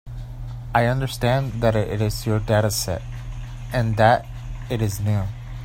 I understand that it is your dataset, and that it is new.